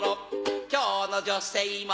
今日の女性は